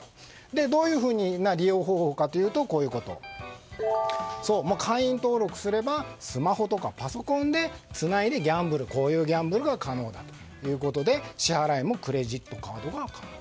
どういうふうな利用方法かというと会員登録すればスマホとかパソコンでつないでギャンブルが可能だということで支払いもクレジットカードが使用可能。